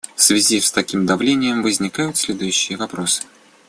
В связи с таким давлением возникают следующие вопросы.